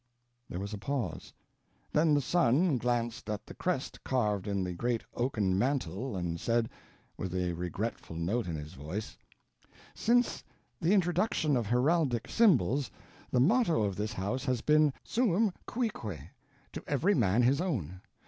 There was a pause, then the son glanced at the crest carved in the great oaken mantel and said, with a regretful note in his voice: "Since the introduction of heraldic symbols,—the motto of this house has been Suum cuique—to every man his own.